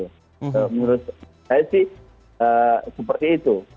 menurut saya sih seperti itu